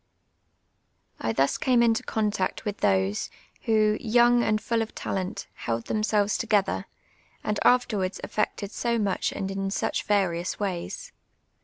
I thus came into contact with those, who, young and full of talent, held themselves together, and afterwards effected so much and in such various ways.